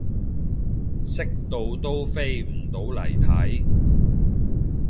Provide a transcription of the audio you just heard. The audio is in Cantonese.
識到都飛唔到嚟睇